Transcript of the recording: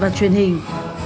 và truyền hình